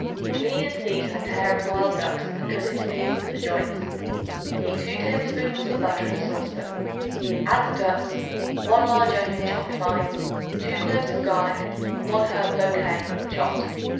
Clean and season a pair of wild ducks and cut into pieces at the joints. Heat 2 tablespoonfuls of butter in a saucepan; add the ducks, 1 large onion chopped fine, 2 cloves of garlic and 1 herb bouquet chopped.